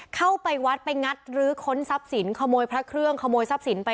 เข้าไปวัดไปงัดลื้อค้นทรัพย์สินขโมยพระเครื่องขโมยทรัพย์สินไป